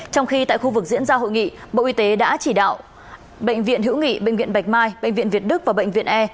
trong khi tại khu vực diễn ra hội nghị bộ y tế đã chỉ đạo bệnh viện hữu nghị bệnh viện bạch mai bệnh viện việt đức và bệnh viện e